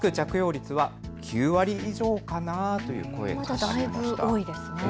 まだ、だいぶ多いですね。